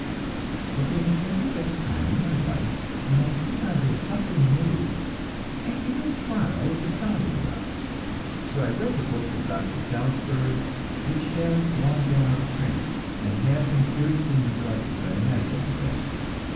But there has never been a time in my life when I would not hear something new, and give it a trial if it sounded well; so I read the books of Doctor Salisbury, which have long been out of print, and have been curiously neglected by the medical profession.